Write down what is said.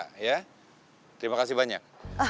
terima kasih banyak